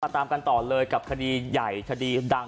ตามกันต่อเลยกับคดีใหญ่คดีดัง